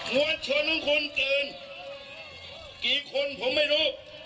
มวลชนทั้งคนตื่นกี่คนผมไม่รู้